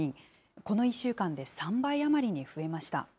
この１週間で３倍余りに増えまし